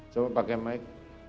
coba pakai mic